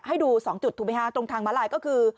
ให้ดู๒จุดถูกไหมคะตรงทางม้าลายก็คือ